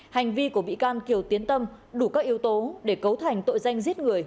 hành vi của bị can kiều tiến tâm đủ các yếu tố để cấu thành tội danh giết người